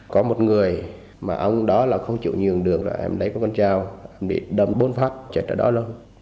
có một người mà ông đó là không chịu nhường đường rồi em lấy con dao em đi đâm bốn phát chạy trở đó luôn